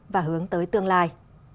và hướng tới tương lai